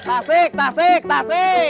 tasik tasik tasik